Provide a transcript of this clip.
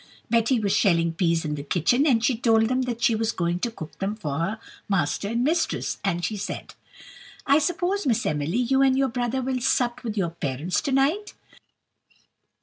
Betty was shelling peas in the kitchen, and she told them that she was going to cook them for her master and mistress; and she said: "I suppose, Miss Emily, you and your brother will sup with your parents to night."